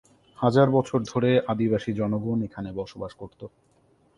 হাজার বছর ধরে আদিবাসী জনগণ এখানে বসবাস করত।